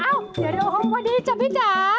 เอ้าเดี๋ยวดีเจ้าพี๋จ้า